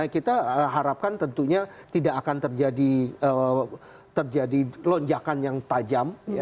kita harapkan tentunya tidak akan terjadi lonjakan yang tajam